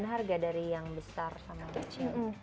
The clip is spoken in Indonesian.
ini ada perbedaan harga dari yang besar sama yang kecil